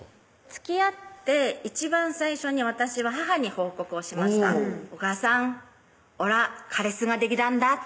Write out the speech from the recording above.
つきあって一番最初に私は母に報告をしました「お母さんおら彼氏ができたんだ」